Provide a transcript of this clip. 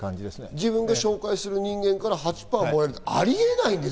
自分が紹介する人間から８％入るってありえない。